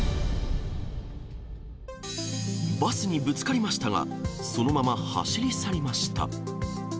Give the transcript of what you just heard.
バスにぶつかりましたが、そのまま走り去りました。